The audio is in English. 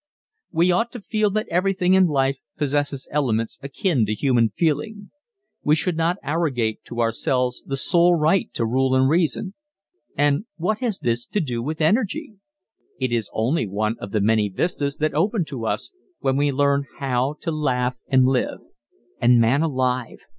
We ought to feel that everything in life possesses elements akin to human feeling. We should not arrogate to ourselves the sole right to rule and reason. And what has this to do with energy? It is only one of the many vistas that open to us when we learn how to laugh and live. And man alive!